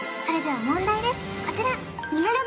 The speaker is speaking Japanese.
それでは問題ですこちら！